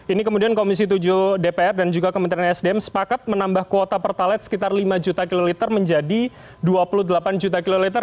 ini kemudian komisi tujuh dpr dan juga kementerian sdm sepakat menambah kuota pertalite sekitar lima juta kiloliter menjadi dua puluh delapan juta kiloliter